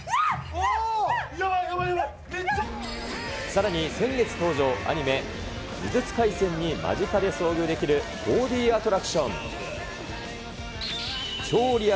さらに先月登場、アニメ、呪術廻戦に間近で遭遇できる４ーＤアトラクション。